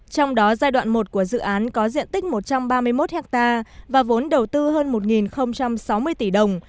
trong đó giai đoạn một của dự án có diện tích một trăm ba mươi một ha và vốn đầu tư hơn một sáu mươi tỷ đồng